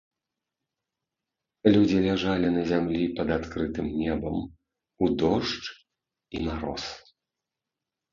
Людзі ляжалі на зямлі пад адкрытым небам у дождж і мароз.